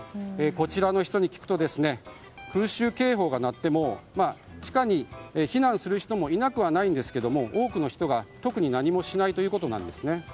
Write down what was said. こちらの人に聞くと空襲警報が鳴っても地下に避難する人もいなくはないんですけど多くの人が特に何もしないということなんですね。